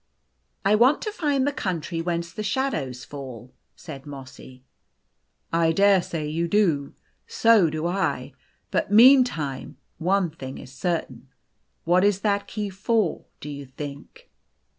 "I want to find the country whence the shadows fall," said Mossy. " I dare say you do. So do I. But meantime, one thing is certain. What is that key for, do you think